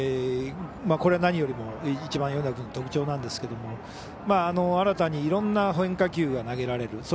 これは何よりも一番米田君の特徴なんですけど新たに、いろんな変化球が投げられる。